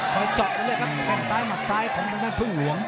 คอยเจาะกันด้วยครับแข่งซ้ายมัดซ้ายของท่านท่านพึ่งหลวง